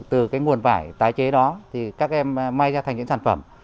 từ cái nguồn vải tái chế đó thì các em may ra thành những sản phẩm